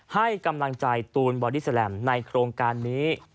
ให้กำลังใจตูนบอดี้แลมในโครงการนี้